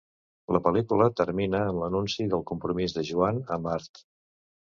La pel·lícula termina amb l'anunci del compromís de Joan amb Art.